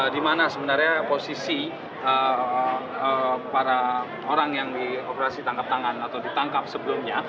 di mana sebenarnya posisi para orang yang di operasi tangkap tangan atau ditangkap sebelumnya